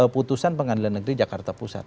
putusan pengadilan negeri jakarta pusat